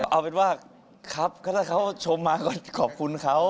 เอาเป็นว่าครับก็ถ้าเขาชมมาก็ขอบคุณเขา